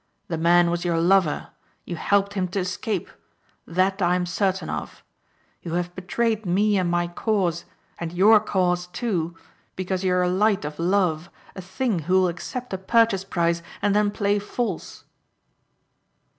The man was your lover. You helped him to escape. That I am certain of. You have betrayed me and my cause and your cause too because you are a light of love, a thing who will accept a purchase price and then play false."